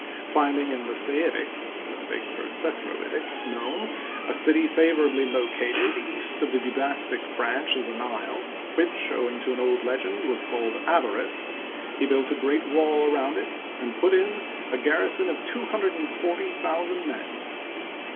Finding in the Saitic (mistake for Sethroitic) nome a city favorably located, east of the Bubastic branch of the Nile, which, owing to an old legend, was called Avaris, he built a great wall around it and put in a garrison of 240,000 men.